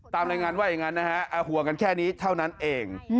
ตามรายงานว่าอย่างนั้นนะฮะห่วงกันแค่นี้เท่านั้นเอง